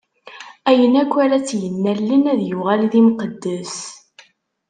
Ayen akk ara tt-innalen ad yuɣal d imqeddes.